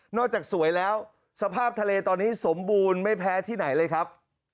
จากสวยแล้วสภาพทะเลตอนนี้สมบูรณ์ไม่แพ้ที่ไหนเลยครับ